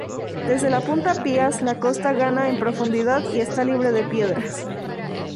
Desde la Punta Pías la costa gana en profundidad y está libre de piedras.